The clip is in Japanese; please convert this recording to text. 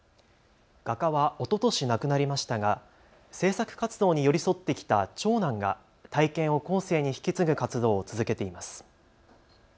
画家はおととし亡くなりましたが制作活動に寄り添ってきた長男が体験を後世に引き継ぐ活動を続けています。